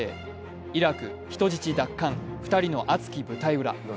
イラク人質奪還、２人の熱き舞台裏。